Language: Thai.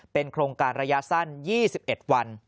โครงการระยะสั้น๒๑วัน